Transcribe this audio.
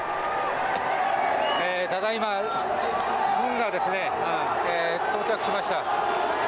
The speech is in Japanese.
ただ今軍が到着しました。